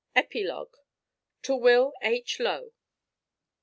EPILOGUE: TO WILL H. LOW.